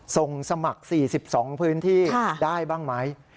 ส่งสมัคร๔๒พื้นที่ได้บ้างไหม